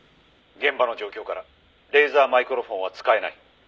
「現場の状況からレーザーマイクロフォンは使えない」